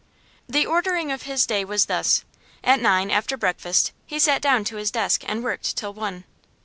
The ordering of his day was thus. At nine, after breakfast, he sat down to his desk, and worked till one.